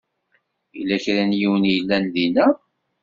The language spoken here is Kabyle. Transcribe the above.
Yella kra n yiwen i yellan dinna?